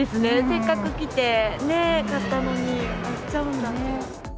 せっかく来て買ったのに売っちゃうんだ。